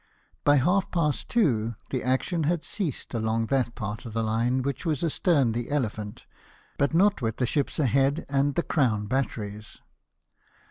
By half past two the action had ceased along that part of the line which was astern of the Elephavf, but not with the ships ahead and the Crown Bat teries.